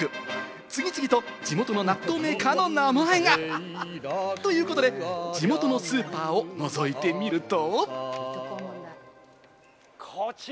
次々と地元の納豆メーカーの名前が。ということで、地元のスーパーを覗いてみると。